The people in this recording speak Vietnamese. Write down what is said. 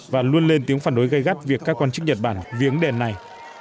và luôn lên tiếng phản đối gây gắt việc các quan chức nhật bản viếng đền này